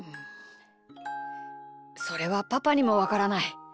それはパパにもわからない。